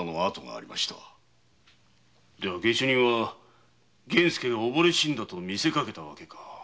では下手人は源助が溺れ死んだと見せかけたわけか。